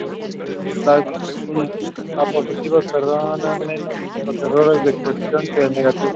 Las diapositivas perdonan menos los errores de exposición que el negativo.